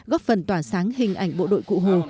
góp phần tỏa sáng hình ảnh bộ đội cụ hồ